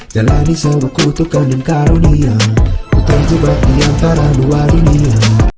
jalani sewuku tukang dan karunia ku terjebak di antara dua dunia